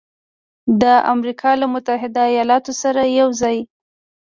د امریکا له متحده ایالاتو سره یوځای